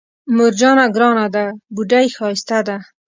مور جانه ګرانه ده بوډۍ ښايسته ده